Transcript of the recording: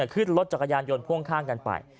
ขึ้นรถจักรยานยนต์พ่วงข้างกันไป